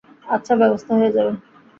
আচ্ছা, ব্যবস্থা হয়ে যাবে?